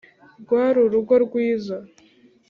Rwari urugo rwiza.